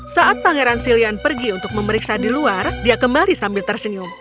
saat pangeran silian pergi untuk memeriksa di luar dia kembali sambil tersenyum